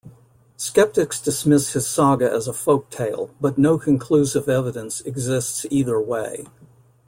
Skeptics dismiss his saga as a folktale, but no conclusive evidence exists either way.